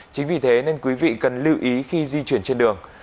chính vì thế nên quý vị cần lưu ý khi di chuyển trên đường